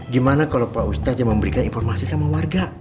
gimana kalau pak ustadz yang memberikan informasi sama warga